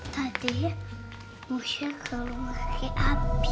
tadinya usya ke rumah kakek abi